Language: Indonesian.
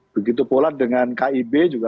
begitu pula dengan kib juga